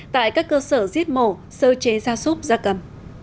tại các cơ sở giết mổ sơ chế gia súc gia cầm